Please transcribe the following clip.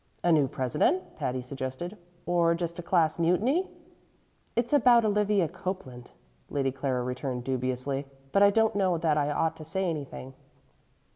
"A new president?" Patty suggested, "or just a class mutiny?" "It's about Olivia Copeland," Lady Clara returned dubiously; "but I don't know that I ought to say anything."